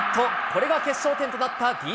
これが決勝点となったＤｅＮＡ。